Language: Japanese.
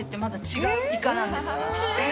違うイカなんです。